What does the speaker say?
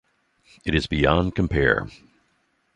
It is beyond compare.